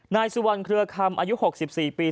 นายสุวรรณเครือคำอายุ๖๔ปี